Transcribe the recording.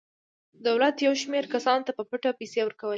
دولت یو شمېر کسانو ته په پټه پیسې ورکولې.